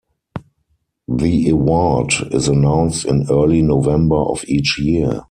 The award is announced in early November of each year.